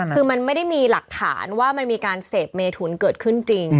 คือมันไม่ได้มีหลักฐานว่ามันมีการเสพเมถุนเกิดขึ้นจริง